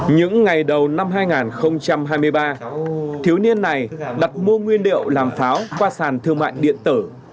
những ngày đầu năm hai nghìn hai mươi ba thiếu niên này đặt mua nguyên liệu làm pháo qua sàn thương mại điện tử